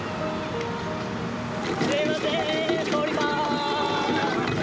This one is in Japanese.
すみません、通ります。